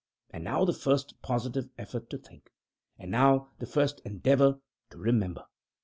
And now the first positive effort to think. And now the first endeavor to remember.